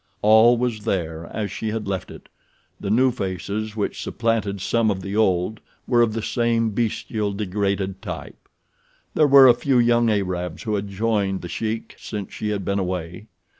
All was there as she had left it—the new faces which supplanted some of the old were of the same bestial, degraded type. There were a few young Arabs who had joined The Sheik since she had been away.